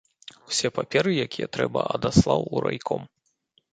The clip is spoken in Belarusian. Усе паперы, якія трэба, адаслаў у райком.